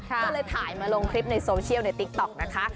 ก็เลยถ่ายมาลงคลิปในโซเชียลในติ๊กต๊อกนะคะ